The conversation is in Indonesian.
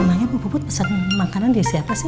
emangnya bu puput pesen makanan di siapa sih